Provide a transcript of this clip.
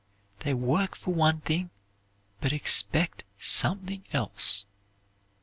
They work for one thing, but expect something else.